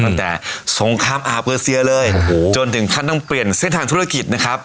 ตั้งแต่สงครามอาเปอร์เซียเลยโอ้โหจนถึงขั้นต้องเปลี่ยนเส้นทางธุรกิจนะครับ